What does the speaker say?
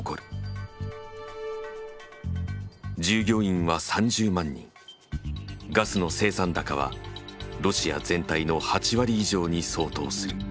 従業員は３０万人ガスの生産高はロシア全体の８割以上に相当する。